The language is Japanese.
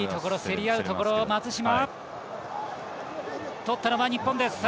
とったのは日本。